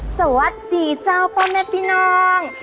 สวัสดีเจ้าพ่อแม่พี่น้อง